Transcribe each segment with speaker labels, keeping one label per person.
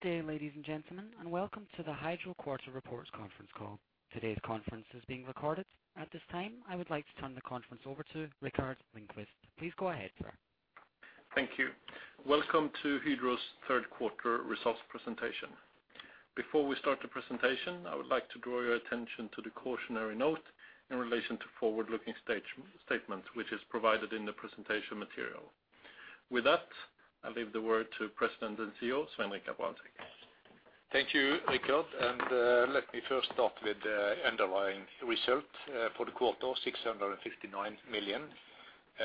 Speaker 1: Good day, ladies and gentlemen, and welcome to the Hydro Quarter Reports conference call. Today's conference is being recorded. At this time, I would like to turn the conference over to Rikard Lindqvist. Please go ahead, sir.
Speaker 2: Thank you. Welcome to Hydro's third quarter results presentation. Before we start the presentation, I would like to draw your attention to the cautionary note in relation to forward-looking statements, which is provided in the presentation material. With that, I leave the word to President and CEO Svein Richard Brandtzæg.
Speaker 3: Thank you, Rikard, and let me first start with the underlying result for the quarter, 659 million,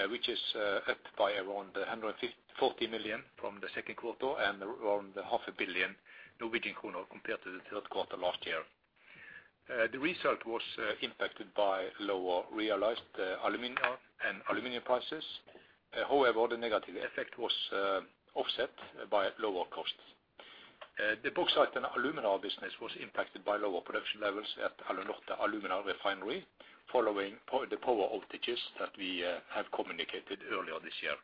Speaker 3: which is up by around 40 million from the second quarter and around half a billion NOK compared to the third quarter last year. The result was impacted by lower realized aluminum and alumina prices. However, the negative effect was offset by lower costs. The Bauxite and Alumina business was impacted by lower production levels at Alunorte alumina refinery following the power outages that we have communicated earlier this year.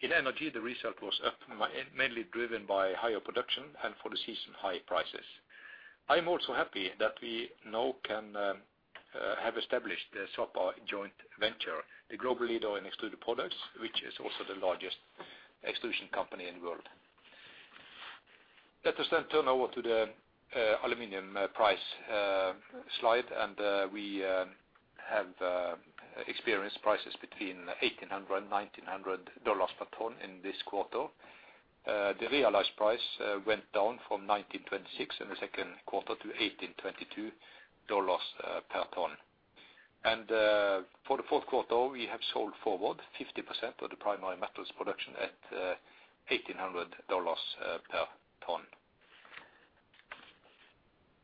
Speaker 3: In energy, the result was up mainly driven by higher production and, for the season, high prices. I'm also happy that we now can have established the Sapa joint venture, the global leader in extruded products, which is also the largest extrusion company in the world. Let us turn over to the aluminum price slide, and we have experienced prices between $1,800 and $1,900 per ton in this quarter. The realized price went down from $1,926 in the second quarter to $1,822 per ton. For the fourth quarter, we have sold forward 50% of the primary metals production at $1,800 per ton.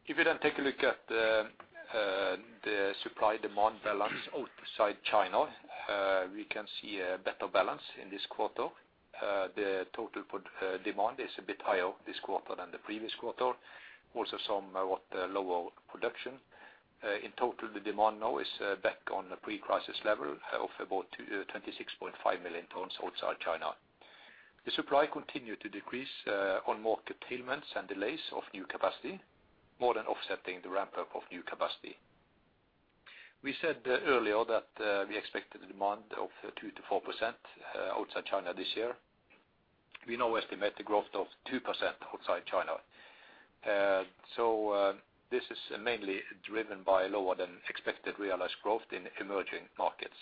Speaker 3: If you then take a look at the supply-demand balance outside China, we can see a better balance in this quarter. The total demand is a bit higher this quarter than the previous quarter, also somewhat lower production. In total, the demand now is back on the pre-crisis level of about 26.5 million tons outside China. The supply continued to decrease on more curtailments and delays of new capacity, more than offsetting the ramp-up of new capacity. We said earlier that we expected a demand of 2%-4% outside China this year. We now estimate the growth of 2% outside China. This is mainly driven by lower than expected realized growth in emerging markets.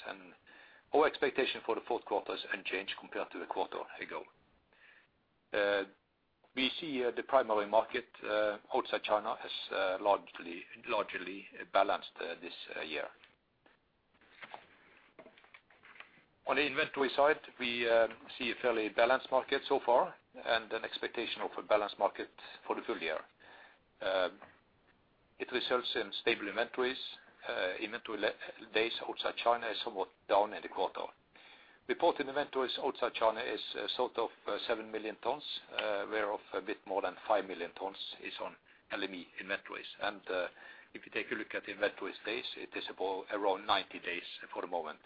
Speaker 3: Our expectation for the fourth quarter is unchanged compared to the quarter ago. We see the primary market outside China has largely balanced this year. On the inventory side, we see a fairly balanced market so far, and an expectation of a balanced market for the full year. It results in stable inventories. Inventory levels outside China is somewhat down in the quarter. Reported inventories outside China is sort of 7 million tons, whereof a bit more than 5 million tons is on LME inventories. If you take a look at the inventory days, it is about 90 days for the moment.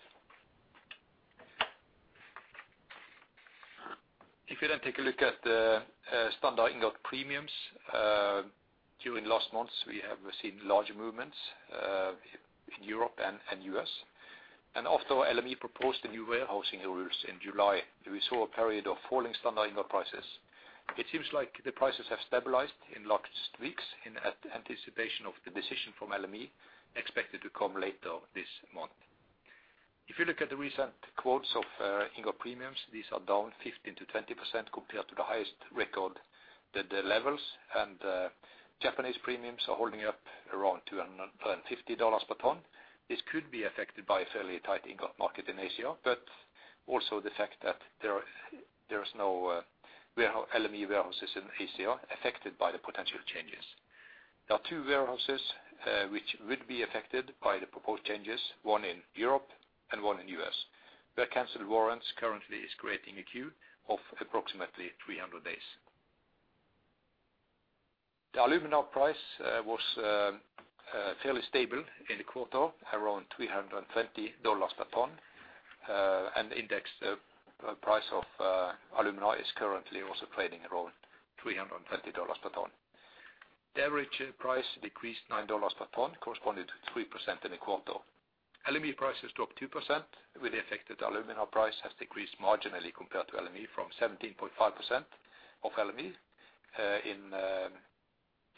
Speaker 3: If you then take a look at standard ingot premiums, during last months, we have received large movements in Europe and U.S. After LME proposed the new warehousing rules in July, we saw a period of falling standard ingot prices. It seems like the prices have stabilized in last weeks in anticipation of the decision from LME expected to come later this month. If you look at the recent quotes of ingot premiums, these are down 15%-20% compared to the highest record, the levels. Japanese premiums are holding up around $250 per ton. This could be affected by a fairly tight ingot market in Asia, but also the fact that there's no LME warehouses in Asia affected by the potential changes. There are two warehouses which would be affected by the proposed changes, one in Europe and one in U.S., where canceled warrants currently is creating a queue of approximately 300 days. The alumina price was fairly stable in the quarter, around $320 per ton. Index price of alumina is currently also trading around $320 per ton. The average price decreased $9 per ton, corresponding to 3% in the quarter. LME prices dropped 2%, with the effect that the alumina price has decreased marginally compared to LME from 17.5% of LME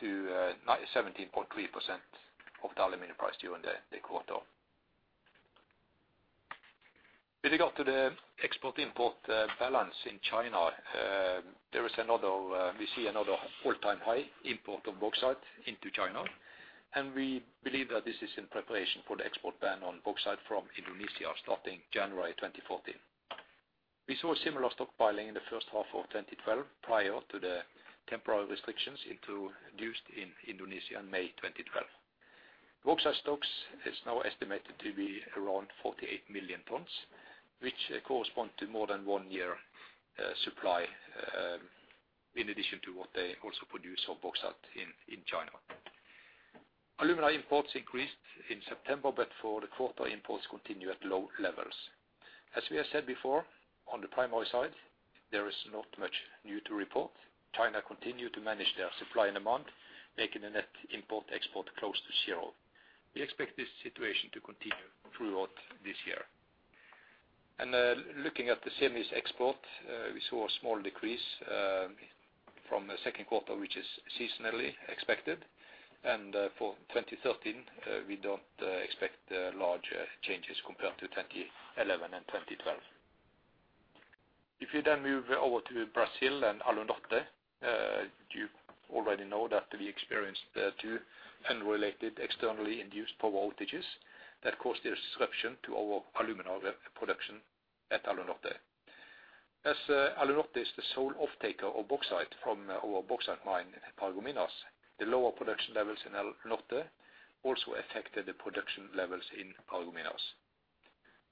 Speaker 3: to 17.3% of the aluminum price during the quarter. With regard to the export-import balance in China, we see another all-time high import of bauxite into China. We believe that this is in preparation for the export ban on bauxite from Indonesia starting January 2014. We saw similar stockpiling in the first half of 2012 prior to the temporary restrictions introduced in Indonesia in May 2012. Bauxite stocks is now estimated to be around 48 million tons, which correspond to more than one year supply, in addition to what they also produce of bauxite in China. Alumina imports increased in September, but for the quarter imports continue at low levels. As we have said before, on the primary side, there is not much new to report. China continue to manage their supply and demand, making a net import-export close to zero. We expect this situation to continue throughout this year. Looking at the semis export, we saw a small decrease from the second quarter, which is seasonally expected. For 2013, we don't expect large changes compared to 2011 and 2012. If you then move over to Brazil and Alunorte, you already know that we experienced two unrelated externally induced power outages that caused a disruption to our alumina production at Alunorte. As Alunorte is the sole offtaker of bauxite from our bauxite mine in Paragominas, the lower production levels in Alunorte also affected the production levels in Paragominas.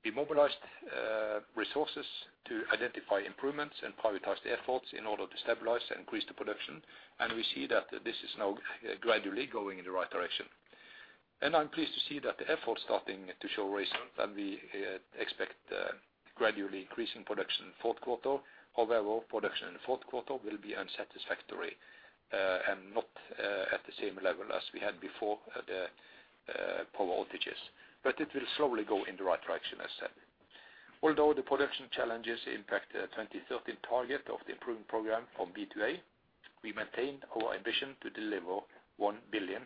Speaker 3: We mobilized resources to identify improvements and prioritize the efforts in order to stabilize and increase the production. We see that this is now gradually going in the right direction. I'm pleased to see that the effort's starting to show results, and we expect gradually increasing production in the fourth quarter. However, production in the fourth quarter will be unsatisfactory and not at the same level as we had before the power outages. It will slowly go in the right direction, as said. Although the production challenges impact the 2013 target of the improvement program from B&A, we maintain our ambition to deliver 1 billion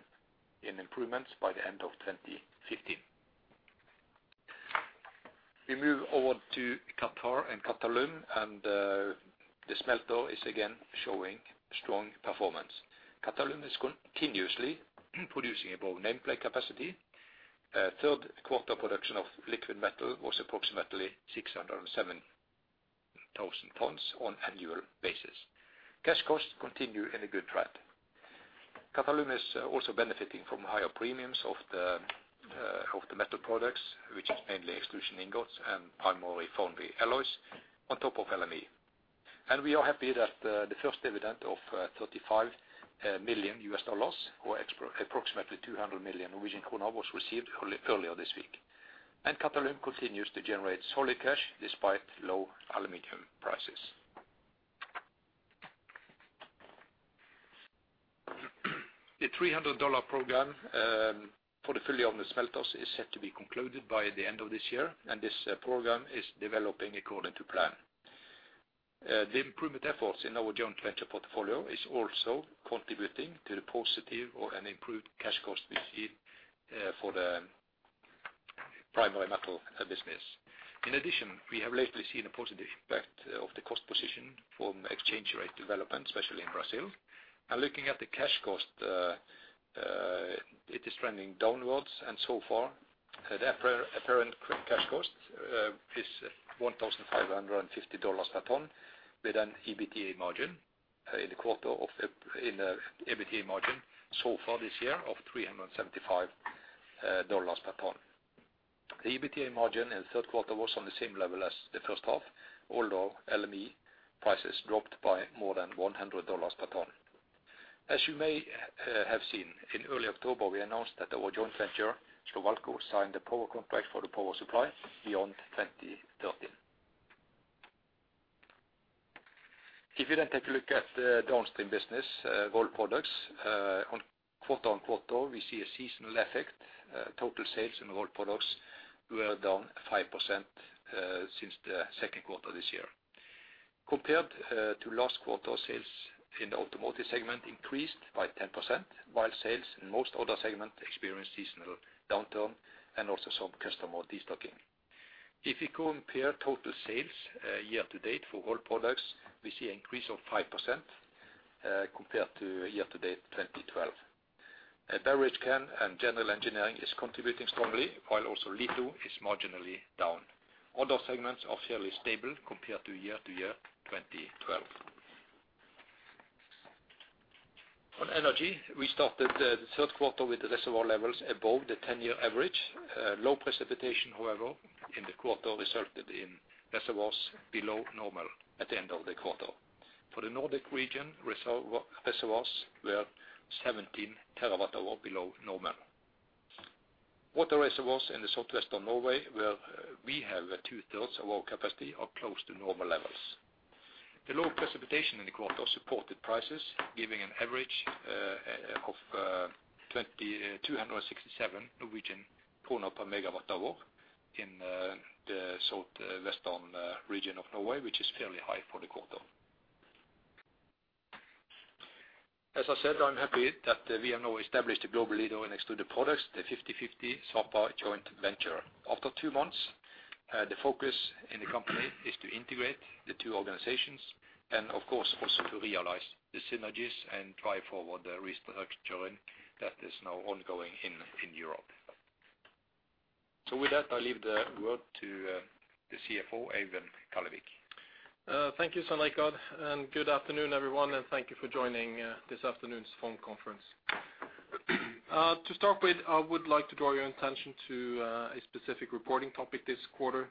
Speaker 3: in improvements by the end of 2015. We move over to Qatalum, and the smelter is again showing strong performance. Qatalum is continuously producing above nameplate capacity. Third quarter production of liquid metal was approximately 607,000 tons on annual basis. Cash costs continue in a good trend. Qatalum is also benefiting from higher premiums of the metal products, which is mainly extrusion ingots and primary foundry alloys on top of LME. We are happy that the first dividend of $35 million, or approximately 200 million Norwegian kroner, was received earlier this week. Qatalum continues to generate solid cash despite low aluminum prices. The $300 program for the fully owned smelters is set to be concluded by the end of this year, and this program is developing according to plan. The improvement efforts in our joint venture portfolio is also contributing to the positive or an improved cash cost we see for the Primary Metal business. In addition, we have lately seen a positive impact of the cost position from exchange rate development, especially in Brazil. Looking at the cash cost, it is trending downwards, and so far the apparent cash cost is $1,550 per ton, with an EBITDA margin so far this year of $375 per ton. The EBITDA margin in the third quarter was on the same level as the first half, although LME prices dropped by more than $100 per ton. As you may have seen, in early October, we announced that our joint venture, Slovalco, signed a power contract for the power supply beyond 2013. If you then take a look at the downstream business, Rolled Products, on quarter-on-quarter, we see a seasonal effect. Total sales in Rolled Products were down 5% since the second quarter this year. Compared to last quarter, sales in the automotive segment increased by 10%, while sales in most other segments experienced seasonal downturn and also some customer destocking. If we compare total sales year-to-date for Rolled Products, we see an increase of 5% compared to year-to-date 2012. Beverage can and general engineering is contributing strongly, while also litho is marginally down. Other segments are fairly stable compared to year-to-year 2012. On Energy, we started the third quarter with the reservoir levels above the 10-year average. Low precipitation, however, in the quarter resulted in reservoirs below normal at the end of the quarter. For the Nordic region, reservoirs were 17 TWh below normal. Water reservoirs in the southwestern Norway, where we have two-thirds of our capacity, are close to normal levels. The low precipitation in the quarter supported prices, giving an average of 267 NOK per MWh in the southwestern region of Norway, which is fairly high for the quarter. As I said, I'm happy that we have now established a global leader in extruded products, the 50/50 Sapa joint venture. After two months, the focus in the company is to integrate the two organizations and, of course, also to realize the synergies and drive forward the restructuring that is now ongoing in Europe. With that, I leave the word to the CFO, Eivind Kallevik.
Speaker 4: Thank you, Svein Richard, and good afternoon, everyone, and thank you for joining this afternoon's phone conference. To start with, I would like to draw your attention to a specific reporting topic this quarter.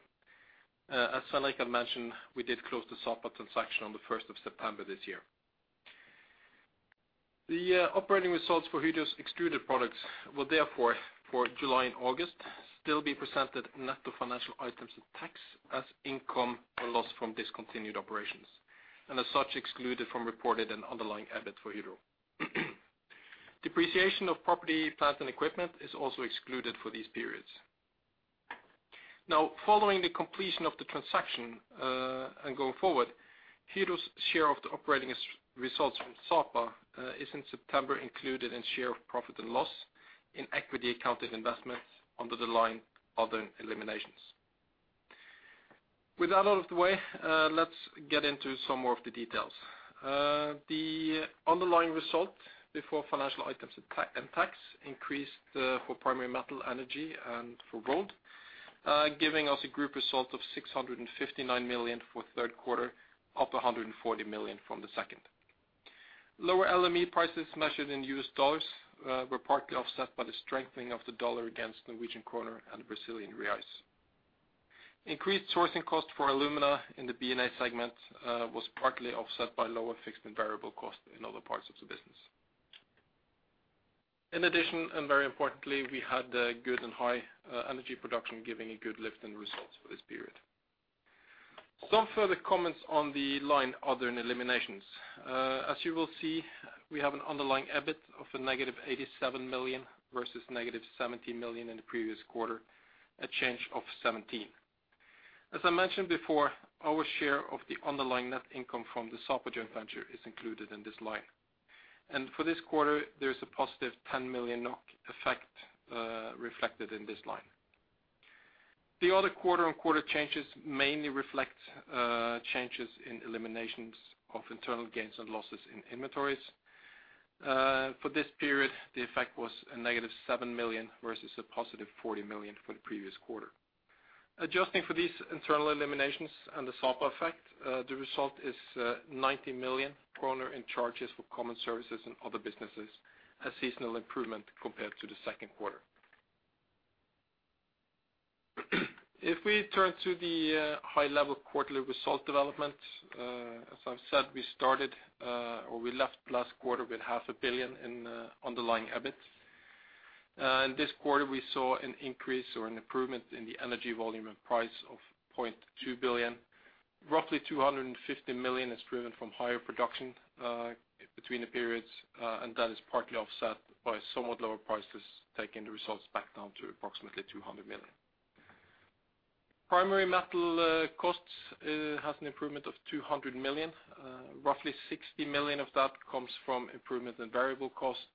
Speaker 4: As Svein Richard had mentioned, we did close the Sapa transaction on the first of September this year. The operating results for Hydro's extruded products will therefore for July and August still be presented net of financial items and tax as income or loss from discontinued operations, and as such excluded from reported and underlying EBIT for Hydro. Depreciation of property, plant, and equipment is also excluded for these periods. Now, following the completion of the transaction, and going forward, Hydro's share of the operating results from Sapa is in September included in share of profit and loss in equity accounted investments under the line other and eliminations. With that out of the way, let's get into some more of the details. The underlying result before financial items and tax increased for Primary Metal, Energy, and for Rolled, giving us a group result of 659 million for third quarter, up 140 million from the second. Lower LME prices measured in U.S. dollars were partly offset by the strengthening of the dollar against Norwegian krone and Brazilian reais. Increased sourcing costs for alumina in the B&A segment was partly offset by lower fixed and variable costs in other parts of the business. In addition, and very importantly, we had good and high energy production giving a good lift in results for this period. Some further comments on the line other and eliminations. As you will see, we have an underlying EBIT of negative 87 million versus negative 17 million in the previous quarter, a change of 17. As I mentioned before, our share of the underlying net income from the Sapa joint venture is included in this line. For this quarter, there's a positive 10 million NOK effect, reflected in this line. The other quarter-on-quarter changes mainly reflect changes in eliminations of internal gains and losses in inventories. For this period, the effect was negative 7 million versus positive 40 million for the previous quarter. Adjusting for these internal eliminations and the Sapa effect, the result is 90 million kroner in charges for common services and other businesses, a seasonal improvement compared to the second quarter. If we turn to the high-level quarterly result development, as I've said, we started or we left last quarter with NOK half a billion in underlying EBIT. In this quarter, we saw an increase or an improvement in the energy volume and price of 0.2 billion. Roughly 250 million is driven from higher production between the periods, and that is partly offset by somewhat lower prices, taking the results back down to approximately 200 million. Primary Metal costs has an improvement of 200 million. Roughly 60 million of that comes from improvement in variable costs,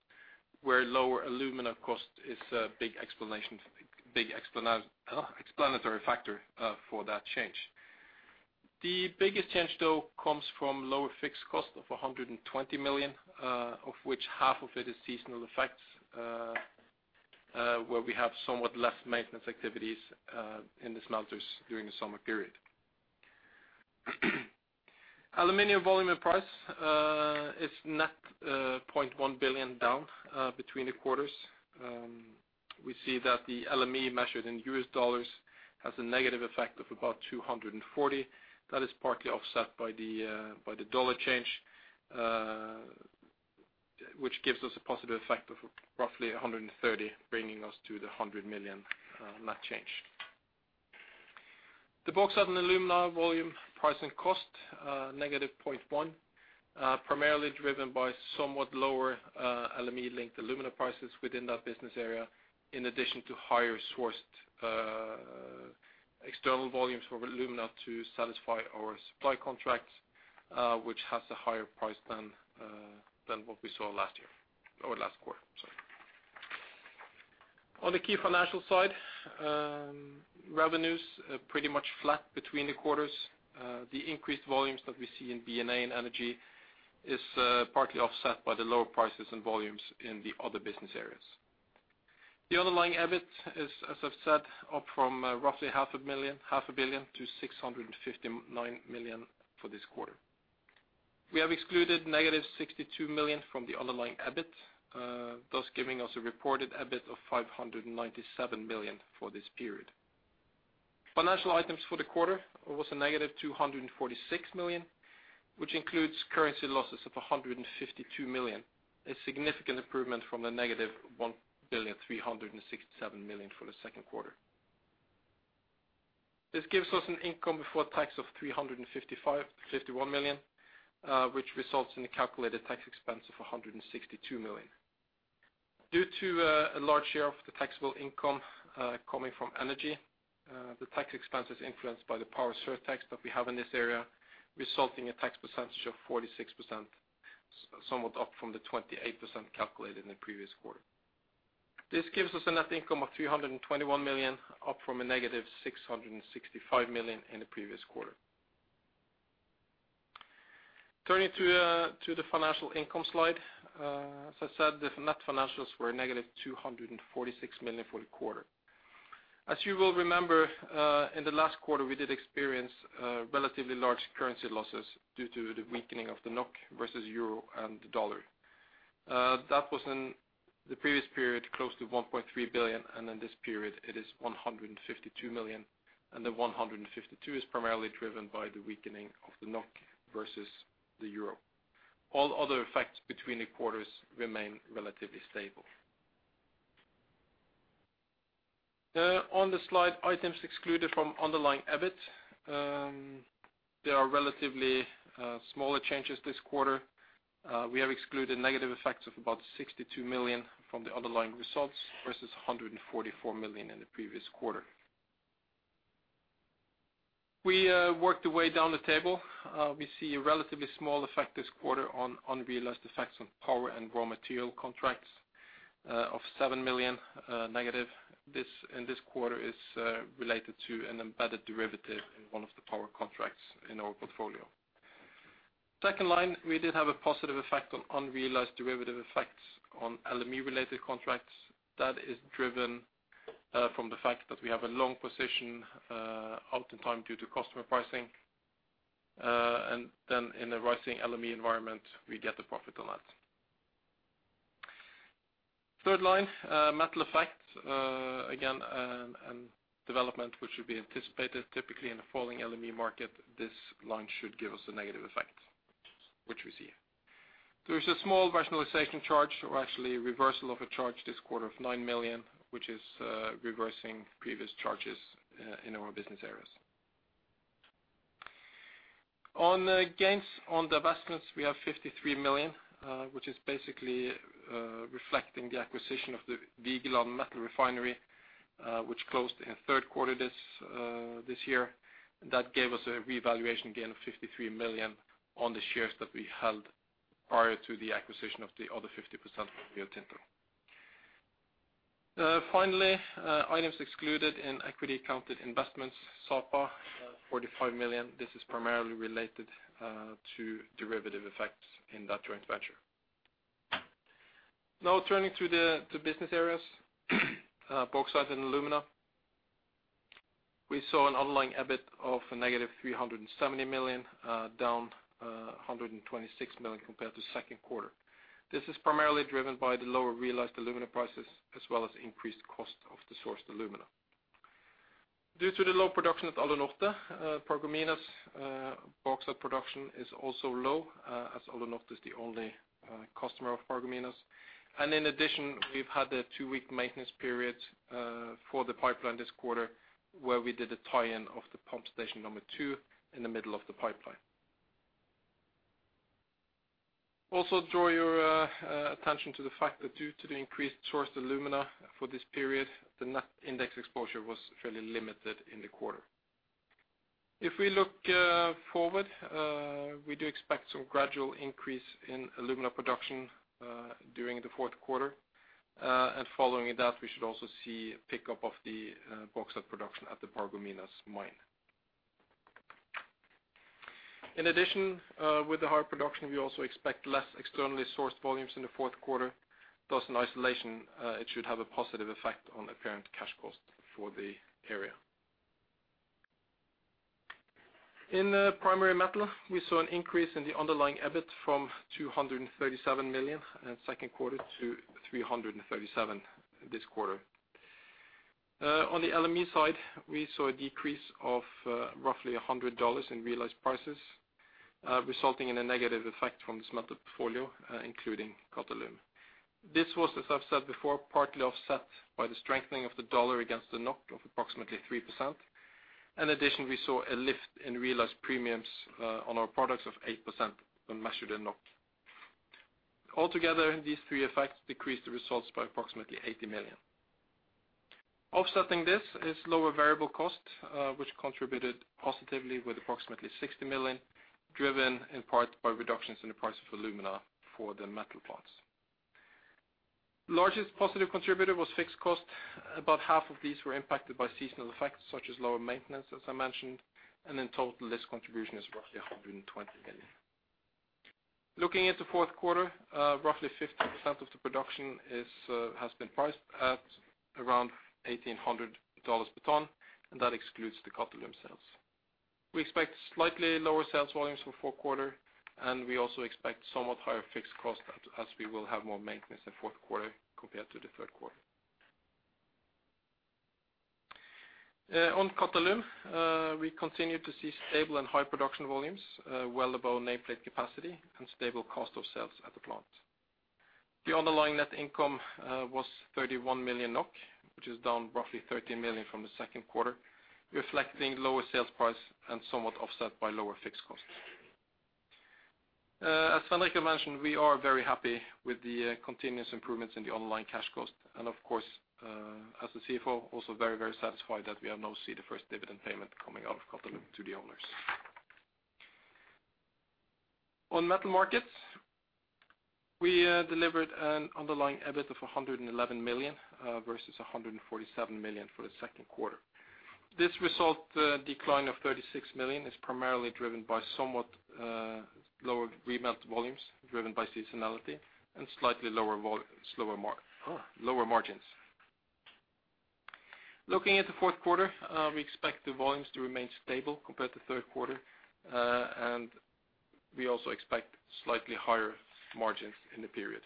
Speaker 4: where lower Alumina cost is a big explanatory factor for that change. The biggest change though comes from lower fixed cost of 120 million, of which half of it is seasonal effects, where we have somewhat less maintenance activities in the smelters during the summer period. Aluminum volume and price is net 0.1 billion down between the quarters. We see that the LME measured in U.S. dollars has a negative effect of about 240 million. That is partly offset by the dollar change, which gives us a positive effect of roughly 130 million, bringing us to the 100 million net change. The Bauxite & Alumina volume, price, and cost, -0.1, primarily driven by somewhat lower LME-linked alumina prices within that business area, in addition to higher sourced external volumes for alumina to satisfy our supply contracts, which has a higher price than what we saw last year, or last quarter, sorry. On the key financial side, revenues are pretty much flat between the quarters. The increased volumes that we see in B&A and Energy is partly offset by the lower prices and volumes in the other business areas. The underlying EBIT is, as I've said, up from roughly half a billion to 659 million for this quarter. We have excluded negative 62 million from the underlying EBIT, thus giving us a reported EBIT of 597 million for this period. Financial items for the quarter was a negative 246 million, which includes currency losses of 152 million, a significant improvement from the negative 1,367 million for the second quarter. This gives us an income before tax of 355.51 million, which results in a calculated tax expense of 162 million. Due to a large share of the taxable income coming from Energy, the tax expense is influenced by the power surtax that we have in this area, resulting a tax percentage of 46%, somewhat up from the 28% calculated in the previous quarter. This gives us a net income of 321 million, up from a negative 665 million in the previous quarter. Turning to the financial income slide. As I said, the net financials were a negative 246 million for the quarter. As you will remember, in the last quarter, we did experience relatively large currency losses due to the weakening of the NOK versus the euro and the dollar. That was in the previous period, close to 1.3 billion, and in this period it is 152 million, and the 152 is primarily driven by the weakening of the NOK versus the euro. All other effects between the quarters remain relatively stable. On the slide items excluded from underlying EBIT, there are relatively smaller changes this quarter. We have excluded negative effects of about 62 million from the underlying results versus 144 million in the previous quarter. We walk the way down the table. We see a relatively small effect this quarter on unrealized effects on power and raw material contracts of 7 million negative. This in this quarter is related to an embedded derivative in one of the power contracts in our portfolio. Second line, we did have a positive effect on unrealized derivative effects on LME related contracts. That is driven from the fact that we have a long position out in time due to customer pricing and then in the rising LME environment, we get the profit on that. Third line, metal effects again and development which should be anticipated typically in a falling LME market, this line should give us a negative effect, which we see. There is a small rationalization charge or actually reversal of a charge this quarter of 9 million, which is reversing previous charges in our business areas. On gains on divestments, we have 53 million, which is basically reflecting the acquisition of the Vigeland metal refinery, which closed in third quarter this year. That gave us a revaluation gain of 53 million on the shares that we held prior to the acquisition of the other fifty percent from Rio Tinto. Finally, items excluded in equity accounted investments, Sapa, 45 million. This is primarily related to derivative effects in that joint venture. Now turning to the business areas, Bauxite & Alumina. We saw an underlying EBIT of a negative 370 million, down 126 million compared to second quarter. This is primarily driven by the lower realized alumina prices as well as increased cost of the sourced alumina. Due to the low production at Alunorte, Paragominas, bauxite production is also low, as Alunorte is the only customer of Paragominas. In addition, we've had a two-week maintenance period for the pipeline this quarter, where we did a tie-in of the pump station number two in the middle of the pipeline. Also draw your attention to the fact that due to the increased sourced alumina for this period, the net index exposure was fairly limited in the quarter. If we look forward, we do expect some gradual increase in alumina production during the fourth quarter. Following that, we should also see a pickup of the bauxite production at the Paragominas mine. In addition, with the higher production, we also expect less externally sourced volumes in the fourth quarter. Thus in isolation, it should have a positive effect on the current cash cost for the area. In Primary Metal, we saw an increase in the underlying EBIT from 237 million in second quarter to 337 million this quarter. On the LME side, we saw a decrease of roughly $100 in realized prices, resulting in a negative effect from the smelter portfolio, including Qatalum. This was, as I've said before, partly offset by the strengthening of the dollar against the NOK of approximately 3%. In addition, we saw a lift in realized premiums on our products of 8% when measured in NOK. All together, these three effects decreased the results by approximately 80 million. Offsetting this is lower variable cost, which contributed positively with approximately 60 million, driven in part by reductions in the price of alumina for the metal plants. Largest positive contributor was fixed cost. About half of these were impacted by seasonal effects such as lower maintenance, as I mentioned. In total, this contribution is roughly 120 million. Looking at the fourth quarter, roughly 50% of the production has been priced at around $1,800 per ton, and that excludes the Qatalum sales. We expect slightly lower sales volumes for fourth quarter, and we also expect somewhat higher fixed costs as we will have more maintenance in fourth quarter compared to the third quarter. On Qatalum, we continue to see stable and high production volumes, well above nameplate capacity and stable cost of sales at the plant. The underlying net income was 31 million NOK, which is down roughly 13 million from the second quarter, reflecting lower sales price and somewhat offset by lower fixed costs. As Svein Richard mentioned, we are very happy with the continuous improvements in the ongoing cash cost and of course, as the CFO, also very, very satisfied that we are now seeing the first dividend payment coming out of Qatalum to the owners. On metal markets, we delivered an underlying EBIT of 111 million versus 147 million for the second quarter. This result decline of 36 million is primarily driven by somewhat lower remelt volumes driven by seasonality and slightly lower margins. Looking at the fourth quarter, we expect the volumes to remain stable compared to third quarter. We also expect slightly higher margins in the period.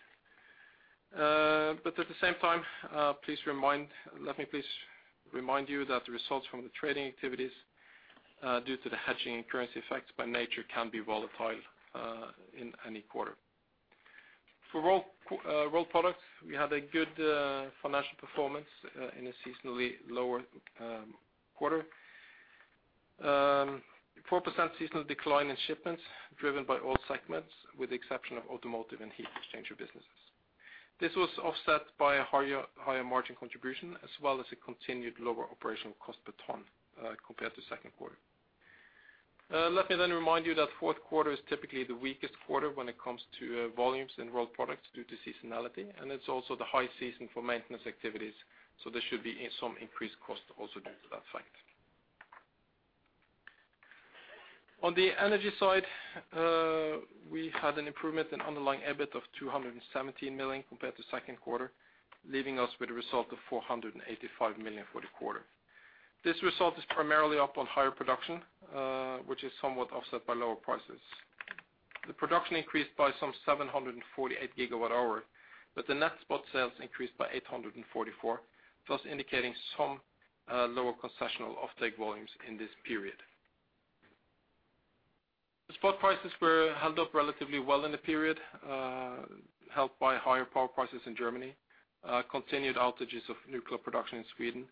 Speaker 4: At the same time, let me please remind you that the results from the trading activities, due to the hedging and currency effects by nature can be volatile, in any quarter. For Rolled Products, we had a good financial performance in a seasonally lower quarter. 4% seasonal decline in shipments driven by all segments, with the exception of automotive and heat exchanger businesses. This was offset by a higher margin contribution, as well as a continued lower operational cost per ton, compared to second quarter. Let me remind you that fourth quarter is typically the weakest quarter when it comes to volumes in Rolled Products due to seasonality, and it's also the high season for maintenance activities, so there should be some increased cost also due to that fact. On the energy side, we had an improvement in underlying EBIT of 217 million compared to second quarter, leaving us with a result of 485 million for the quarter. This result is primarily up on higher production, which is somewhat offset by lower prices. The production increased by some 748 gigawatt hours, but the net spot sales increased by 844, thus indicating some lower concessional offtake volumes in this period. The spot prices were held up relatively well in the period, helped by higher power prices in Germany, continued outages of nuclear production in Sweden,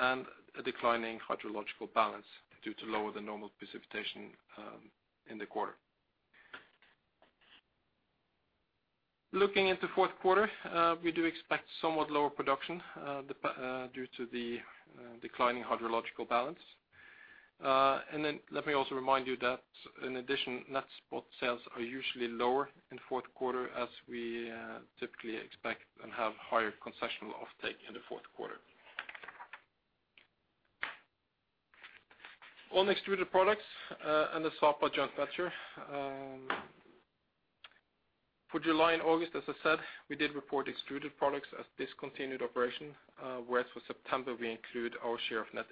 Speaker 4: and a declining hydrological balance due to lower than normal precipitation, in the quarter. Looking into fourth quarter, we do expect somewhat lower production, due to the declining hydrological balance. Let me also remind you that in addition, net spot sales are usually lower in fourth quarter as we typically expect and have higher concessional offtake in the fourth quarter. On Extruded Products, and the Sapa joint venture, for July and August, as I said, we did report Extruded Products as discontinued operation, whereas for September, we include our share of net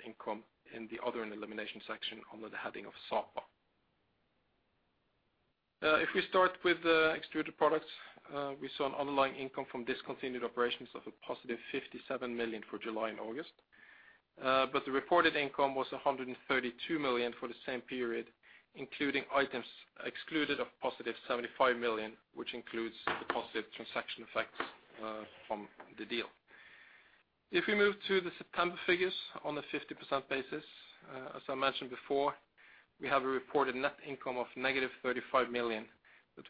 Speaker 4: income in the other and elimination section under the heading of Sapa. If we start with Extruded Products, we saw an underlying income from discontinued operations of a positive 57 million for July and August. The reported income was 132 million for the same period, including items excluded of positive 75 million, which includes the positive transaction effects from the deal. If we move to the September figures on a 50% basis, as I mentioned before, we have a reported net income of negative 35 million.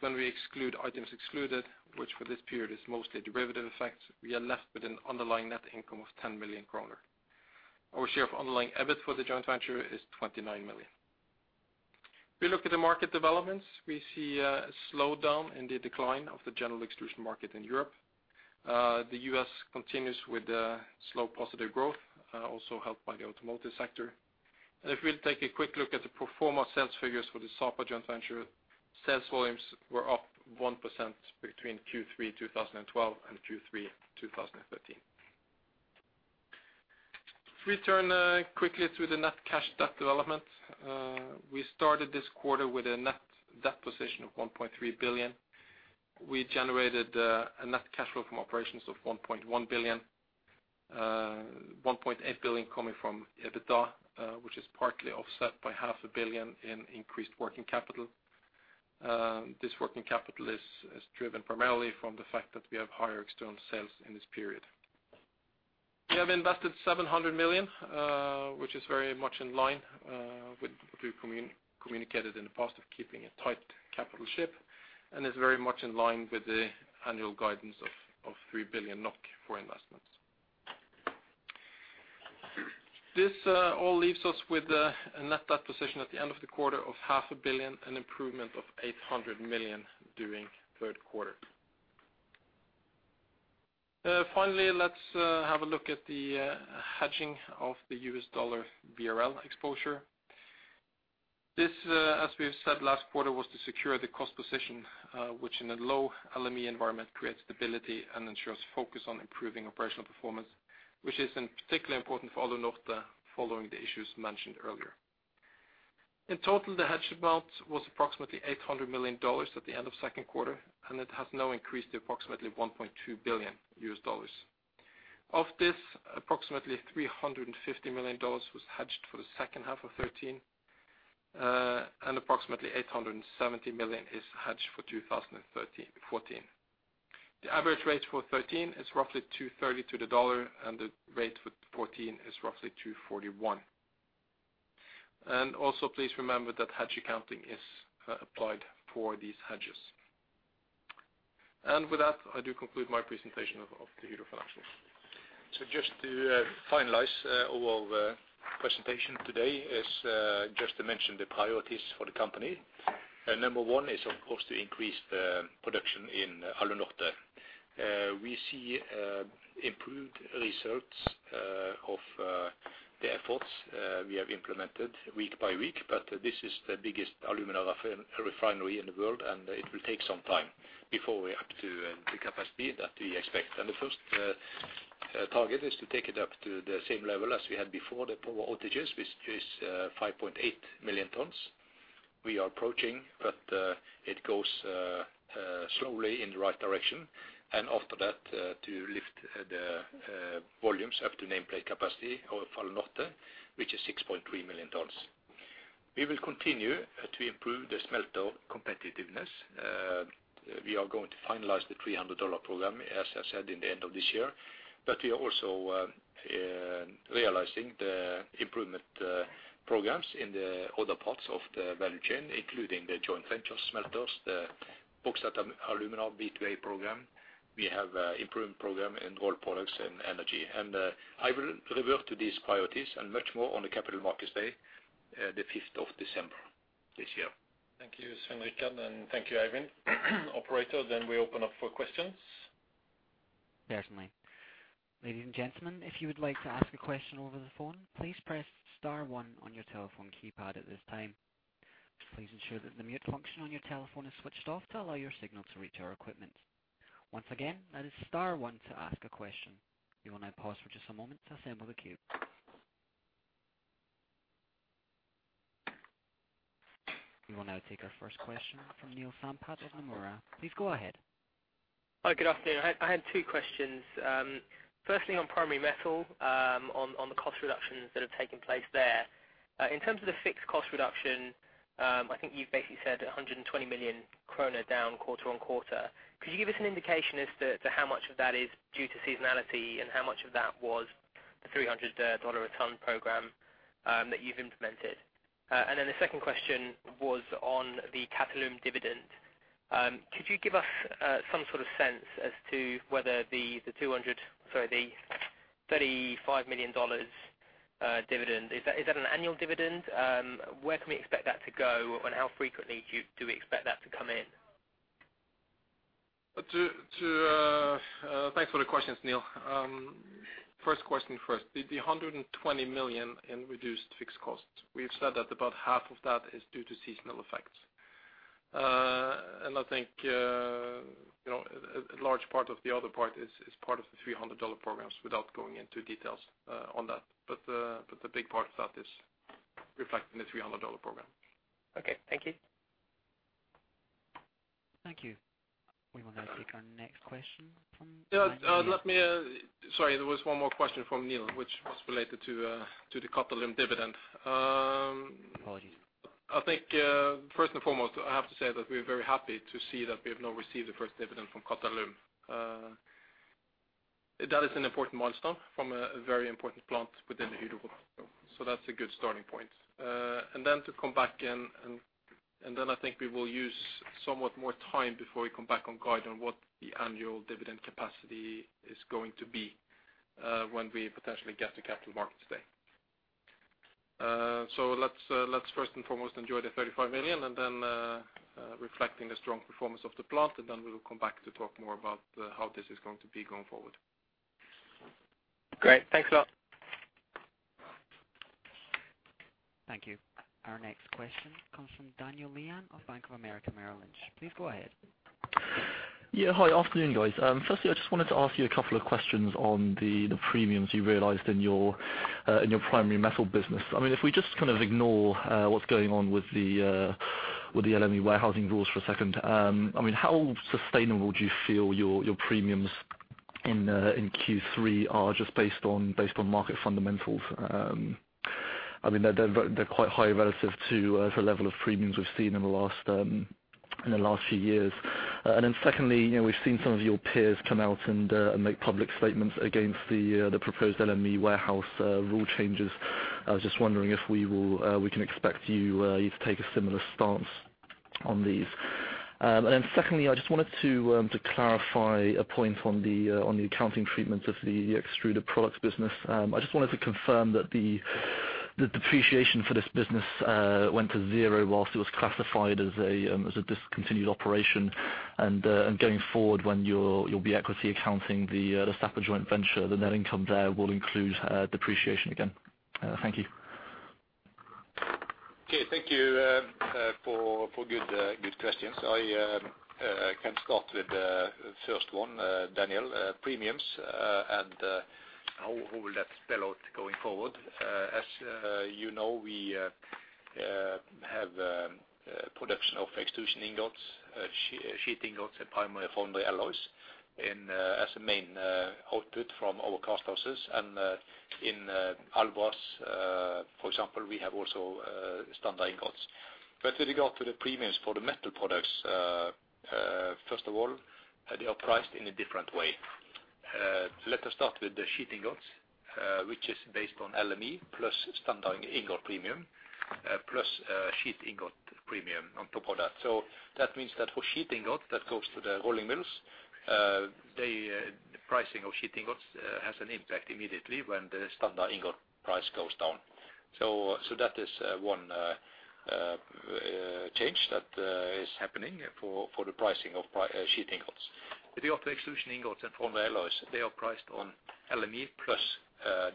Speaker 4: When we exclude items excluded, which for this period is mostly derivative effects, we are left with an underlying net income of 10 million kroner. Our share of underlying EBIT for the joint venture is 29 million. If we look at the market developments, we see a slowdown in the decline of the general extrusion market in Europe. The U.S. continues with slow positive growth, also helped by the automotive sector. If we'll take a quick look at the pro forma sales figures for the Sapa joint venture, sales volumes were up 1% between Q3 2012 and Q3 2013. If we turn quickly to the net cash debt development, we started this quarter with a net debt position of 1.3 billion. We generated a net cash flow from operations of 1.1 billion, 1.8 billion coming from EBITDA, which is partly offset by NOK half a billion in increased working capital. This working capital is driven primarily from the fact that we have higher external sales in this period. We have invested 700 million, which is very much in line with what we communicated in the past of keeping a tight capital ship, and is very much in line with the annual guidance of 3 billion NOK for investments. This all leaves us with a net debt position at the end of the quarter of NOK half a billion, an improvement of 800 million during third quarter. Finally, let's have a look at the hedging of the U.S. dollar BRL exposure. This, as we've said last quarter, was to secure the cost position, which in a low LME environment creates stability and ensures focus on improving operational performance, which is particularly important for Alunorte following the issues mentioned earlier. In total, the hedged amount was approximately $800 million at the end of second quarter, and it has now increased to approximately $1.2 billion. Of this, approximately $350 million was hedged for the second half of 2013, and approximately $870 million is hedged for 2013-14. The average rate for 2013 is roughly 2.30 to the dollar, and the rate for 2014 is roughly 2.41. Also please remember that hedge accounting is applied for these hedges. With that, I do conclude my presentation of the Hydro financials.
Speaker 3: Just to finalize our presentation today is just to mention the priorities for the company. Number one is of course to increase the production in Alunorte. We see improved results of. The efforts we have implemented week by week, but this is the biggest alumina refinery in the world, and it will take some time before we're up to the capacity that we expect. The first target is to take it up to the same level as we had before the power outages, which is 5.8 million tons. We are approaching, but it goes slowly in the right direction. After that, to lift the volumes up to nameplate capacity or Alunorte, which is 6.3 million tons. We will continue to improve the smelter competitiveness. We are going to finalize the $300 program, as I said, in the end of this year. We are also realizing the improvement programs in the other parts of the value chain, including the joint venture smelters, the Bauxite & Alumina, B&A program. We have improvement program in Rolled Products and Energy. I will revert to these priorities and much more on the Capital Markets Day, the fifth of December this year.
Speaker 2: Thank you, Svein Richard, and thank you, Eivind. Operator, then we open up for questions.
Speaker 1: Certainly. Ladies and gentlemen, if you would like to ask a question over the phone, please press star one on your telephone keypad at this time. Please ensure that the mute function on your telephone is switched off to allow your signal to reach our equipment. Once again, that is star one to ask a question. We will now pause for just a moment to assemble the queue. We will now take our first question from Neil Sampat of Nomura. Please go ahead.
Speaker 5: Hi, good afternoon. I had two questions. Firstly, on Primary Metal, on the cost reductions that have taken placed there. In terms of the fixed cost reduction, I think you've basically said 120 million kroner down quarter-on-quarter. Could you give us an indication as to how much of that is due to seasonality, and how much of that was the $300 a ton program that you've implemented? And then the second question was on the Qatalum dividend. Could you give us some sort of sense as to whether the $35 million dividend is that an annual dividend? Where can we expect that to go, and how frequently do we expect that to come in?
Speaker 4: Thanks for the questions, Neil. First question first. The 120 million in reduced fixed costs, we've said that about half of that is due to seasonal effects. I think, you know, a large part of the other part is part of the $300 programs, without going into details on that. The big part of that is reflected in the $300 program.
Speaker 5: Okay. Thank you.
Speaker 1: Thank you. We will now take our next question from.
Speaker 4: Yeah. Let me. Sorry, there was one more question from Neil, which was related to the Qatalum dividend.
Speaker 1: Apologies.
Speaker 4: I think first and foremost, I have to say that we're very happy to see that we have now received the first dividend from Qatalum. That is an important milestone from a very important plant within the Hydro portfolio, so that's a good starting point. Then I think we will use somewhat more time before we come back on guidance on what the annual dividend capacity is going to be when we potentially get to Capital Markets Day. So let's first and foremost enjoy the $35 million, and then reflecting the strong performance of the plant, and then we will come back to talk more about how this is going to be going forward.
Speaker 5: Great. Thanks a lot.
Speaker 1: Thank you. Our next question comes from Daniel Lian of Bank of America Merrill Lynch. Please go ahead.
Speaker 6: Yeah. Hi. Afternoon, guys. Firstly, I just wanted to ask you a couple of questions on the premiums you realized in your Primary Metal business. I mean, if we just kind of ignore what's going on with the LME warehousing rules for a second, I mean, how sustainable do you feel your premiums in Q3 are just based on market fundamentals? I mean, they're quite high relative to the level of premiums we've seen in the last few years. Then secondly, you know, we've seen some of your peers come out and make public statements against the proposed LME warehouse rule changes. I was just wondering if we can expect you to take a similar stance on these. Second, I just wanted to clarify a point on the accounting treatment of the extruded products business. I just wanted to confirm that the depreciation for this business went to zero while it was classified as a discontinued operation. Going forward, when you'll be equity accounting the Sapa joint venture, the net income there will include depreciation again. Thank you.
Speaker 4: Okay. Thank you for good questions. I can start with the first one, Daniel, premiums, and how will that spell out going forward. As you know, we have production of extrusion ingots, sheathing ingots, and primary foundry alloys, as a main output from our cast houses. In Alvås, for example, we have also standard ingots. With regard to the premiums for the metal products, first of all, they are priced in a different way. Let us start with the sheathing ingots, which is based on LME, plus standard ingot premium, plus sheathing ingot premium on top of that. That means that for sheet ingot that goes to the rolling mills, the pricing of sheet ingots has an impact immediately when the standard ingot price goes down.
Speaker 3: That is one change that is happening for the pricing of sheet ingots. The other extrusion ingots and foundry alloys, they are priced on LME plus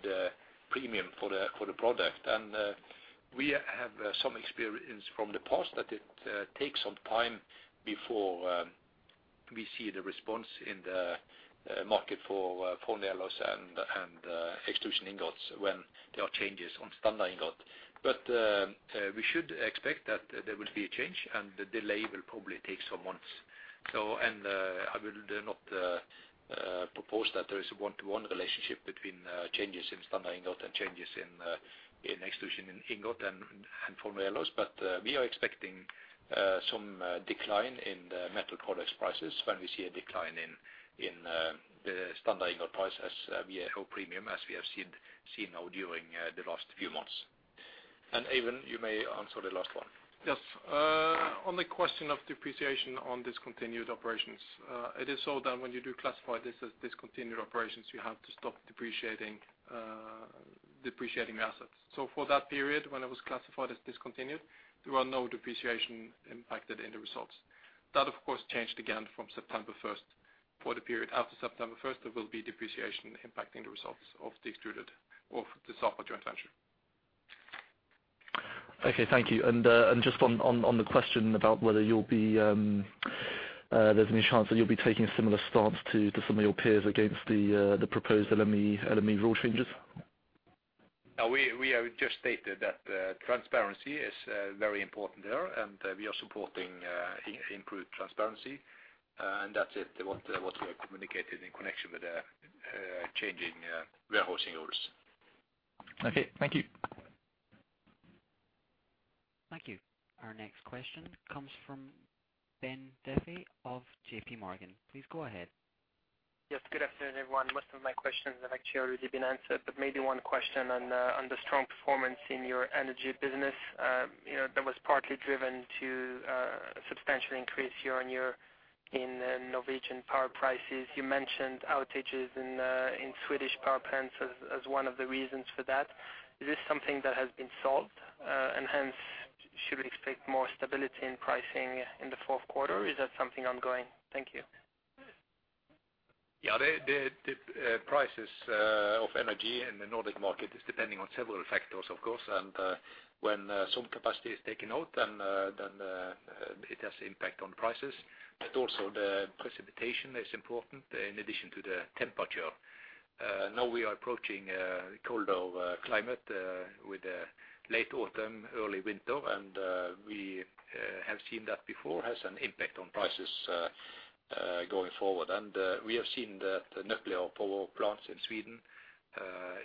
Speaker 3: the premium for the product. We have some experience from the past that it takes some time before we see the response in the market for foundry alloys and extrusion ingots when there are changes on standard ingot. We should expect that there will be a change, and the delay will probably take some months. I would not propose that there is a one-to-one relationship between changes in standard ingot and changes in extrusion ingot and foundry alloys. We are expecting some decline in the metal products prices when we see a decline in the standard ingot price as well as all-in premium, as we have seen now during the last few months. Eivind, you may answer the last one.
Speaker 4: Yes. On the question of depreciation on discontinued operations, it is so that when you do classify this as discontinued operations, you have to stop depreciating assets. For that period, when it was classified as discontinued, there were no depreciation impacted in the results. That, of course, changed again from September first. For the period after September 1st, there will be depreciation impacting the results of Extruded and the Sapa joint venture.
Speaker 6: Okay, thank you. Just on the question about whether you'll be, there's any chance that you'll be taking a similar stance to some of your peers against the proposed LME rule changes?
Speaker 3: We have just stated that transparency is very important there, and we are supporting improved transparency. That's it, what we have communicated in connection with the changing warehousing rules.
Speaker 6: Okay, thank you.
Speaker 1: Thank you. Our next question comes from Ben Duffy of JPMorgan. Please go ahead.
Speaker 7: Yes, good afternoon, everyone. Most of my questions have actually already been answered, but maybe one question on the strong performance in your Energy business. You know, that was partly driven by a substantial increase year-on-year in Norwegian power prices. You mentioned outages in Swedish power plants as one of the reasons for that. Is this something that has been solved, and hence, should we expect more stability in pricing in the fourth quarter? Is that something ongoing? Thank you.
Speaker 3: The prices of energy in the Nordic market is depending on several factors, of course. When some capacity is taken out, then it has impact on prices. But also the precipitation is important in addition to the temperature. Now we are approaching a colder climate with late autumn, early winter, and we have seen that before has an impact on prices going forward. We have seen the nuclear power plants in Sweden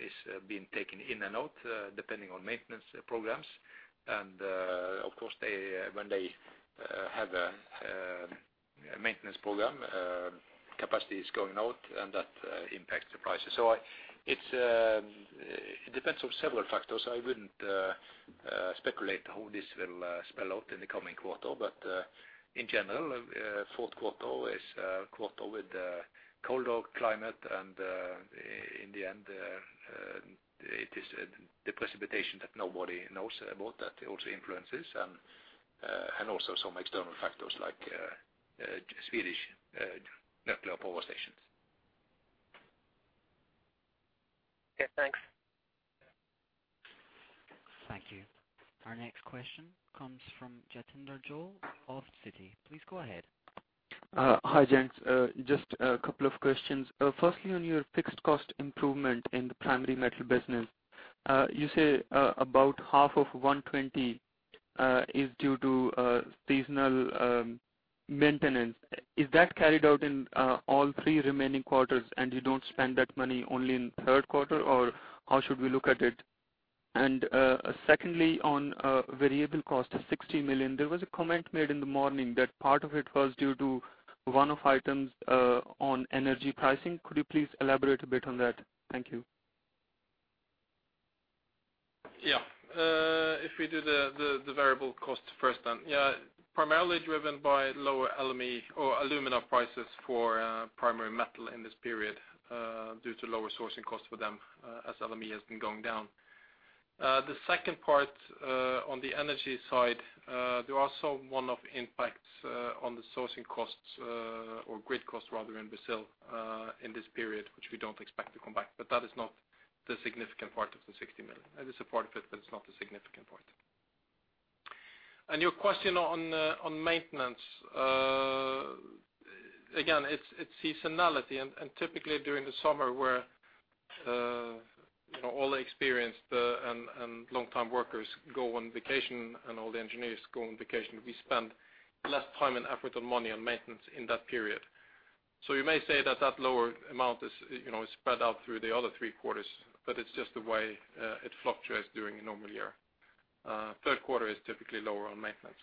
Speaker 3: is being taken in and out depending on maintenance programs. Of course, they, when they have a maintenance program, capacity is going out and that impacts the prices. It depends on several factors. I wouldn't speculate how this will spell out in the coming quarter. In general, fourth quarter is a quarter with a colder climate, and, in the end, it is the precipitation that nobody knows about that also influences and also some external factors like Swedish nuclear power stations.
Speaker 7: Okay, thanks.
Speaker 1: Thank you. Our next question comes from Jatinder Goel of Citi. Please go ahead.
Speaker 8: Hi, gents. Just a couple of questions. Firstly on your fixed cost improvement in the Primary Metal business. You say about half of 120 is due to seasonal maintenance. Is that carried out in all three remaining quarters, and you don't spend that money only in third quarter, or how should we look at it? Secondly, on variable cost of 60 million, there was a comment made in the morning that part of it was due to one-off items on energy pricing. Could you please elaborate a bit on that? Thank you.
Speaker 4: If we do the variable cost first, then primarily driven by lower LME or Alumina prices for Primary Metal in this period, due to lower sourcing costs for them, as LME has been going down. The second part, on the Energy side, there are some one-off impacts on the sourcing costs, or grid costs rather in Brazil, in this period, which we don't expect to come back. That is not the significant part of the 60 million. It is a part of it, but it's not a significant part. Your question on maintenance. Again, it's seasonality and typically during the summer where you know all the experienced and long-time workers go on vacation and all the engineers go on vacation, we spend less time and effort and money on maintenance in that period. You may say that lower amount is, you know, spread out through the other three quarters, but it's just the way it fluctuates during a normal year. Third quarter is typically lower on maintenance.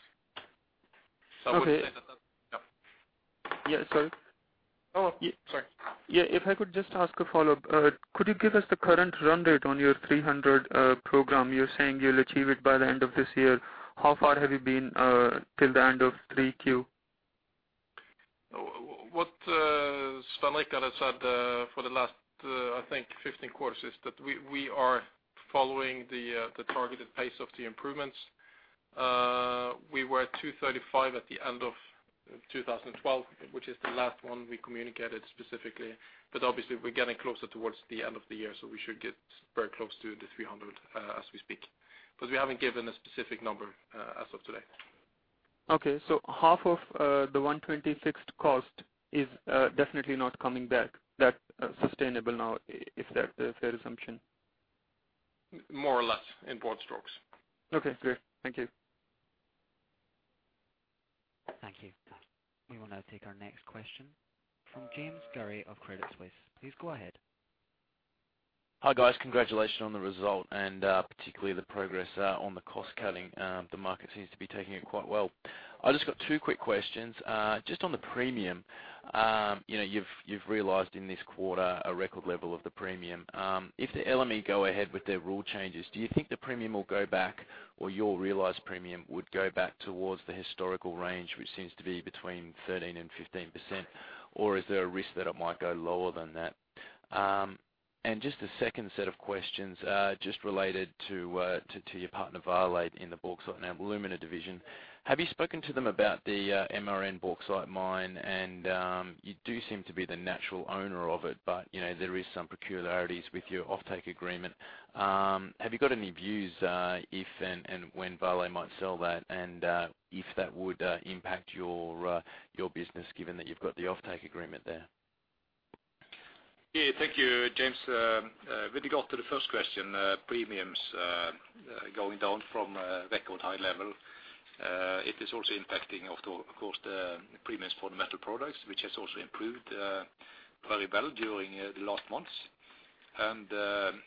Speaker 8: Okay.
Speaker 4: I would say that that's. Yeah.
Speaker 8: Yeah. Sorry.
Speaker 4: Oh, sorry.
Speaker 8: Yeah. If I could just ask a follow-up. Could you give us the current run rate on your 300 program? You're saying you'll achieve it by the end of this year. How far have you been till the end of 3Q?
Speaker 3: Svein Richard Brandtzæg, like I had said, for the last, I think 15 quarters, is that we are following the targeted pace of the improvements. We were at $235 at the end of 2012, which is the last one we communicated specifically. Obviously we're getting closer towards the end of the year, so we should get very close to the $300 as we speak. We haven't given a specific number as of today.
Speaker 8: Okay. Half of the 120 fixed cost is definitely not coming back. That's sustainable now. Is that a fair assumption?
Speaker 3: More or less in broad strokes.
Speaker 8: Okay, great. Thank you.
Speaker 1: Thank you. We will now take our next question from James Gurry of Credit Suisse. Please go ahead.
Speaker 9: Hi, guys. Congratulations on the result and particularly the progress on the cost cutting. The market seems to be taking it quite well. I just got two quick questions. Just on the premium, you know, you've realized in this quarter a record level of the premium. If the LME go ahead with their rule changes, do you think the premium will go back, or your realized premium would go back towards the historical range, which seems to be between 13%-15%? Or is there a risk that it might go lower than that? Just a second set of questions just related to your partner Vale in the Bauxite & Alumina division. Have you spoken to them about the MRN bauxite mine and you do seem to be the natural owner of it, but you know there is some peculiarities with your offtake agreement. Have you got any views if and when Vale might sell that and if that would impact your business given that you've got the offtake agreement there?
Speaker 3: Yeah. Thank you, James. With regard to the first question, premiums going down from record high level, it is also impacting of course the premiums for the metal products, which has also improved very well during the last months. With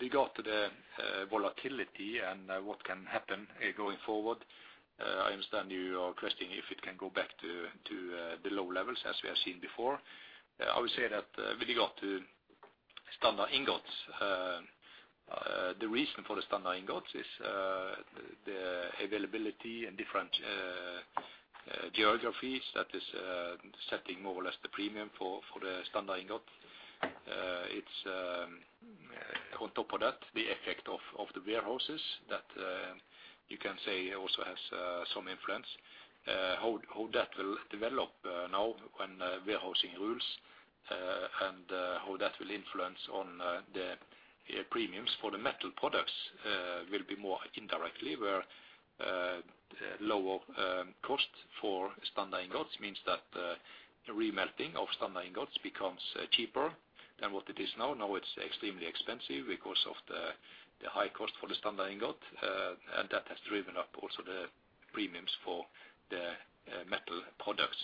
Speaker 3: regard to the volatility and what can happen going forward, I understand you are questioning if it can go back to the low levels as we have seen before. I would say that with regard to standard ingots, the reason for the standard ingots is the availability and different geographies that is setting more or less the premium for the standard ingot. It's on top of that, the effect of the warehouses that you can say also has some influence. How that will develop now when warehousing rules and how that will influence on the premiums for the metal products will be more indirectly where lower cost for standard ingots means that remelting of standard ingots becomes cheaper than what it is now. Now it's extremely expensive because of the high cost for the standard ingot. That has driven up also the premiums for the metal products.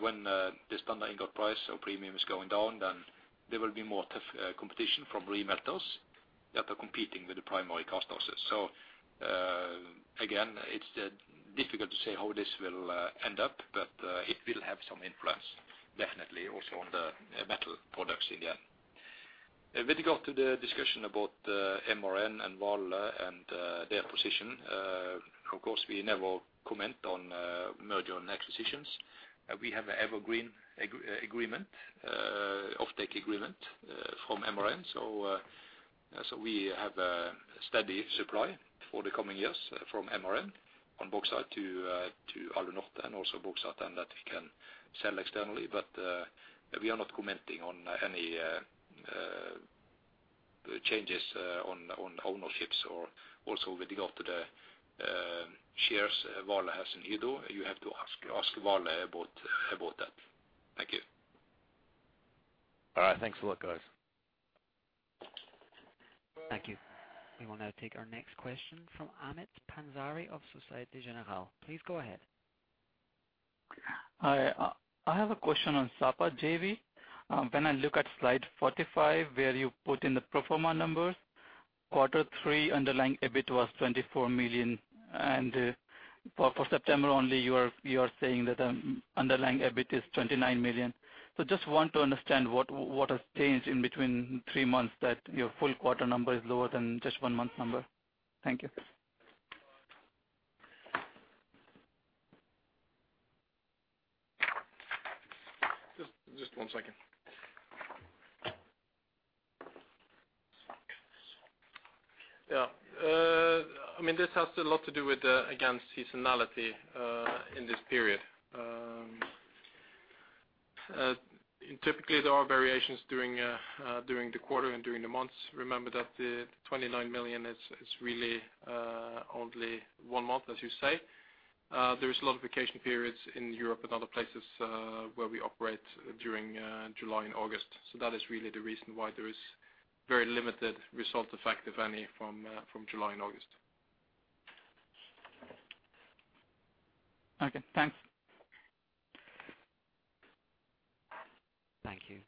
Speaker 3: When the standard ingot price or premium is going down, then there will be more tough competition from remelters that are competing with the primary cost also. Again, it's difficult to say how this will end up, but it will have some influence definitely also on the metal products in the end. With regard to the discussion about MRN and Vale and their position, of course, we never comment on merger and acquisitions. We have an evergreen agreement, offtake agreement, from MRN. We have a steady supply for the coming years from MRN on bauxite to Alunorte and also bauxite that we can sell externally. We are not commenting on any changes on ownerships or also with regard to the shares Vale has in MRN. You have to ask Vale about that. Thank you.
Speaker 9: All right. Thanks a lot, guys.
Speaker 1: Thank you. We will now take our next question from Amit Pansari of Société Générale. Please go ahead.
Speaker 10: Hi. I have a question on Sapa JV. When I look at slide 45 where you put in the pro forma numbers, quarter three underlying EBIT was 24 million. For September only, you're saying that underlying EBIT is 29 million. Just want to understand what has changed in between three months that your full quarter number is lower than just one month number. Thank you.
Speaker 3: Just one second. Yeah. I mean, this has a lot to do with, again, seasonality in this period. Typically there are variations during the quarter and during the months. Remember that the 29 million is really only one month, as you say. There is a lot of vacation periods in Europe and other places where we operate during July and August. That is really the reason why there is very limited result, effect, if any, from July and August.
Speaker 10: Okay, thanks.
Speaker 1: Thank you.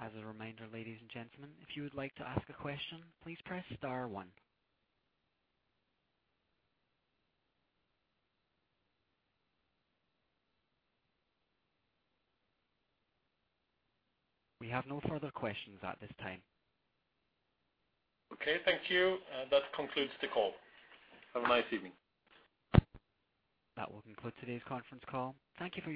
Speaker 1: As a reminder, ladies and gentlemen, if you would like to ask a question, please press star one. We have no further questions at this time.
Speaker 3: Okay, thank you. That concludes the call. Have a nice evening.
Speaker 1: That will conclude today's conference call. Thank you for